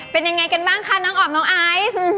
เป็นยังไงกันบ้างคะน้องออมน้องไอซ์